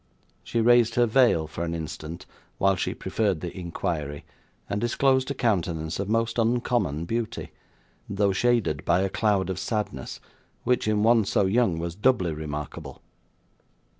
She raised her veil, for an instant, while she preferred the inquiry, and disclosed a countenance of most uncommon beauty, though shaded by a cloud of sadness, which, in one so young, was doubly remarkable.